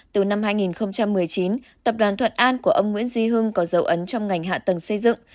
từ năm hai nghìn một mươi chín tập đoàn thuận an của ông nguyễn duy hưng có dấu ấn trong ngành hạ tầng xây dựng